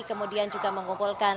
kemudian juga mengumpulkan